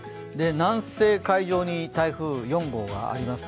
南西海上に台風４号があります。